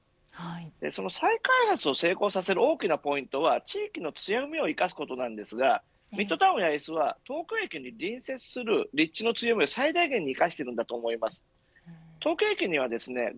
その、再開発を成功させる大きなポイントは地域の強みを生かすことなんですがミッドタウン八重洲は東京駅に隣接する立地の強みを最大限に生かしていると思います。